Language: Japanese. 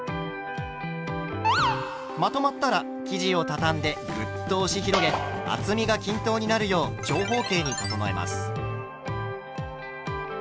まとまったら生地をたたんでグッと押し広げ厚みが均等になるよう長方形に整えます。